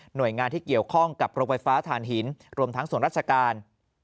โดยงานที่เกี่ยวข้องกับโรงไฟฟ้าฐานหินรวมทั้งส่วนราชการ